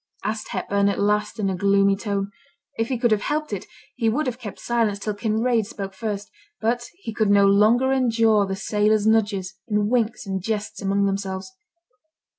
asked Hepburn at last in a gloomy tone. If he could have helped it, he would have kept silence till Kinraid spoke first; but he could no longer endure the sailors' nudges, and winks, and jests among themselves.